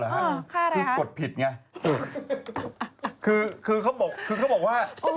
วันนี้ก็ไปเดินเหมือนกัน